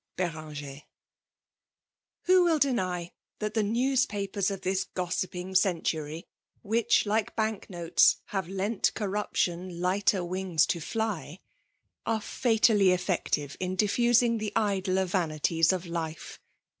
BiltANOEU* Who will deny that the newspapen of this gOBsipping centmy, which, like bank notes, have « Lent connptiim tigiitec wmgB to fly;* are fatally effective in diffusing the idler vam"* ties of life